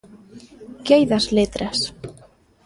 Que hai das letras?